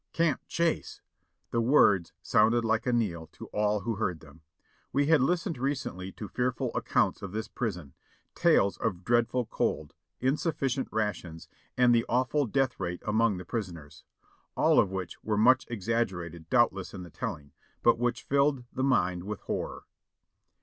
"Camp Chase !" the words sounded like a knell to all who heard them. We had listened recently to fearful accounts of this prison ; tales of dreadful cold, insufficient rations, of the awful death rate among the prisoners ; all of which were much exaggerated doubt less in the telling, but which filled the mind with horror.